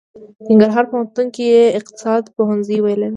ننګرهار پوهنتون کې يې اقتصاد پوهنځی ويلی دی.